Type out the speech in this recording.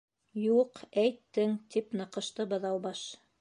—Юҡ, әйттең, —тип ныҡышты Быҙаубаш.